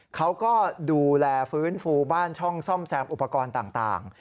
เขาก็ดูแลฟื้นฟูบ้านช่องซ่อมแซมอุปกรณ์ต่าง